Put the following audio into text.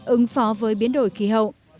ứng phó với biến đổi khí hậu